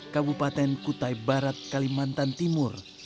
kabupaten kutai barat kalimantan timur